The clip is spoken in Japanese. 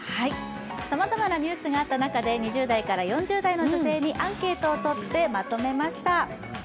さまざまなニュースがあった中で２０代から４０代の女性にアンケートを取ってまとめました。